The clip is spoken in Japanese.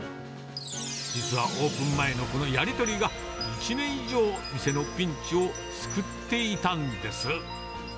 実はオープン前のこのやり取りが、１年以上、店のピンチを救っていたんです。